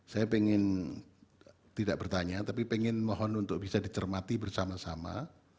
saya ingin tidak bertanya tapi pengen mohon untuk bisa dicermati bersama sama